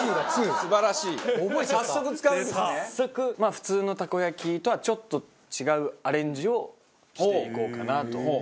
普通のたこ焼きとはちょっと違うアレンジをしていこうかなと。